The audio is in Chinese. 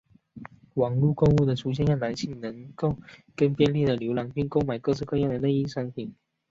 网路购物的出现让男性能够更便利地浏览并购买各式各样的内衣商品。